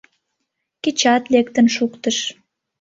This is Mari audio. Кечат лектын шуктыш.